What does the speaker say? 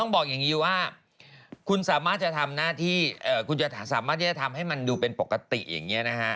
บอกอย่างนี้ว่าคุณสามารถจะทำหน้าที่คุณจะสามารถที่จะทำให้มันดูเป็นปกติอย่างนี้นะฮะ